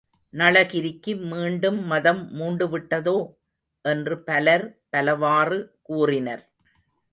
நளகிரிக்கு மீண்டும் மதம் மூண்டு விட்டதோ? என்று பலர் பலவாறு கூறினர்.